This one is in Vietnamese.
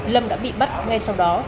lâm đã bị bắt ngay sau đó